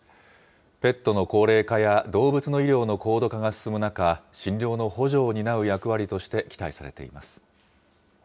ペットの高齢化や、動物の医療の高度化が進む中、診療の補助を担う役割として期待されています。